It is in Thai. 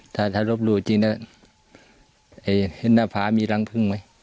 ถ้ารบรู้จริงน่ะไอ้เห็นหน้าภาพมีรังพึ่งไหม